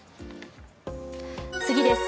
次です。